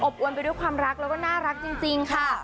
อวนไปด้วยความรักแล้วก็น่ารักจริงค่ะ